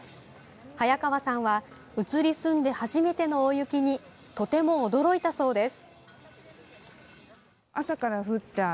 早川さんは移り住んで初めての大雪にとても驚いたそうです。